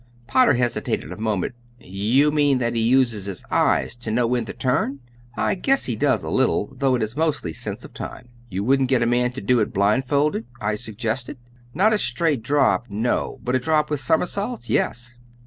Potter hesitated a moment. "You mean that he uses his eyes to know when to turn? I guess he does a little, although it is mostly sense of time." "You wouldn't get a man to do it blindfolded?" I suggested. "Not a straight drop, no; but a drop with somersaults, yes."